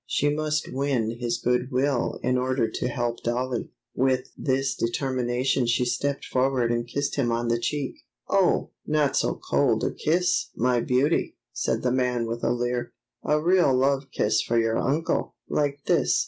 She must win his good will in order to help Dollie. With this determination she stepped forward and kissed him on the cheek. "Oh! not so cold a kiss, my beauty," said the man with a leer; "a real love kiss for your uncle—like this!"